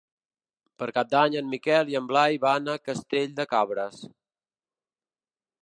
Per Cap d'Any en Miquel i en Blai van a Castell de Cabres.